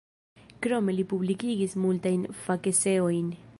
Krome li publikigis multajn fakeseojn.